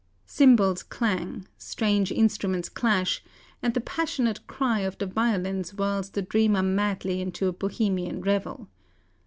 Cymbals clang, strange instruments clash; and the passionate cry of the violins whirls the dreamer madly into a Bohemian revel.